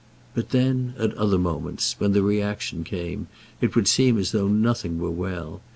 But then at other moments, when the reaction came, it would seem as though nothing were well.